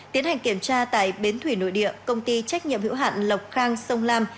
tiến hành kiểm tra tại bến thủy nội địa công ty trách nhiệm hữu hạn lộc khang sông lam